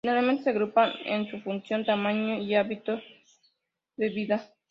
Generalmente se agrupan en su función, tamaño, y hábito de vida.